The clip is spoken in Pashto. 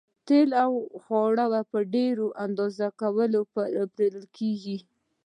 تیل او خواړه په ډیره اندازه پلورل کیږي